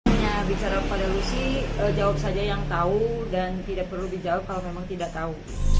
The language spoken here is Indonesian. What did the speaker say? hanya bicara pada lucy jawab saja yang tahu dan tidak perlu dijawab kalau memang tidak tahu